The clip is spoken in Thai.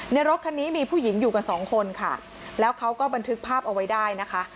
รถคันนี้มีผู้หญิงอยู่กันสองคนค่ะแล้วเขาก็บันทึกภาพเอาไว้ได้นะคะ